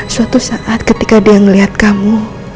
suatu saat ketika dia melihat kamu